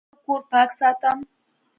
زه خپل کور پاک ساتم.